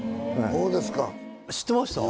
そうですか。